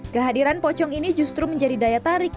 kehadiran pocong ini justru menjadi daya tarik